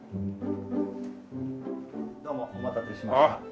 どうもお待たせしました。